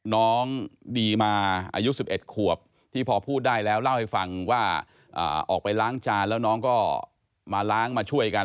น้องดีมาอายุ๑๑ขวบที่พอพูดได้แล้วเล่าให้ฟังว่าออกไปล้างจานแล้วน้องก็มาล้างมาช่วยกัน